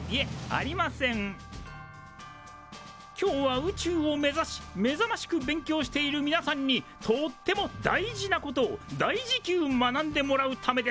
今日は宇宙を目指しめざましく勉強しているみなさんにとっても大事なことをだいじきゅう学んでもらうためです。